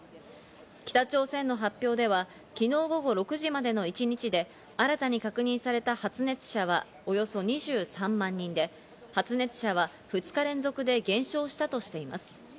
北朝鮮の発表では昨日午後６時までの一日で新たに確認された発熱者はおよそ２３万人で、発熱者は２日連続で減少したとしています。